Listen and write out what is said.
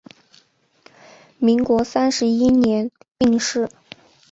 民国三十一年病逝。